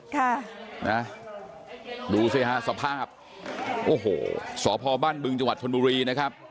ค่ะนะดูสิฮะสภาพโอ้โหสพบ้านบึงจังหวัดชนบุรีนะครับ